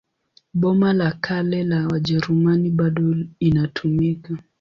Boma la Kale la Wajerumani bado inatumika.